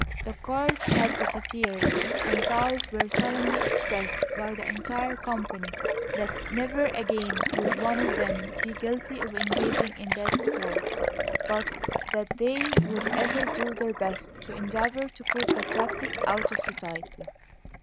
The cards had disappeared, and vows were solemnly expressed by the entire company that never again would one of them be guilty of engaging in that sport, but that they would ever do their best to endeavor to put the practise out of society.